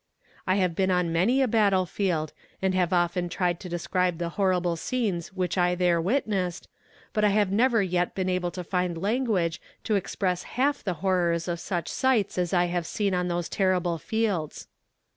I have been on many a battle field, and have often tried to describe the horrible scenes which I there witnessed, but have never yet been able to find language to express half the horrors of such sights as I have seen on those terrible fields.